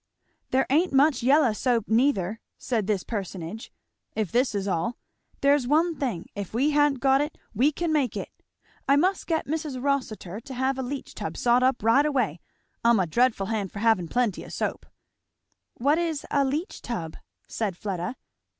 "There ain't much yallow soap neither," said this personage, "if this is all. There's one thing if we ha'n't got it we can make it. I must get Mis' Rossitur to have a leach tub sot up right away. I'm a dreadful hand for havin' plenty o' soap." "What is a leach tub?" said Fleda.